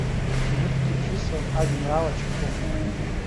Минуҭкгьы бжьысуам ажәеинраала чаԥоуп.